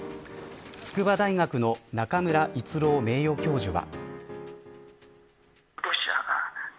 筑波大学の中村逸郎名誉教授は。